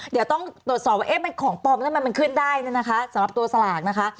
เดี๋ยวต้องตรวจสอบว่ามันของปลอมแล้วมันขึ้นได้สำหรับตัวสลากนะคะ